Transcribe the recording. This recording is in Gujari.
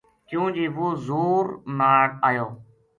کیوں جی وہ زور ناڑ ایو